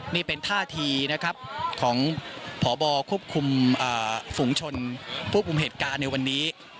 นี่เป็นท่าทีของผบคุบคุมฝุงชนผู้ปุ่มเหตุการณ์ในวันนี้